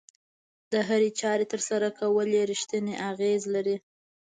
د هرې چارې ترسره کول يې رېښتینی اغېز لري.